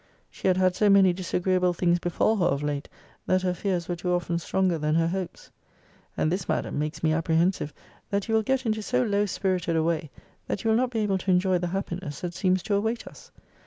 She had had so many disagreeable things befall her of late, that her fears were too often stronger than her hopes. And this, Madam, makes me apprehensive, that you will get into so low spirited a way, that you will not be able to enjoy the happiness that seems to await us.